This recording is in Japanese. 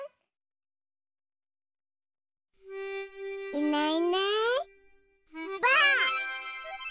いないいないばあっ！